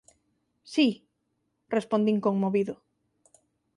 Si —respondín conmovido.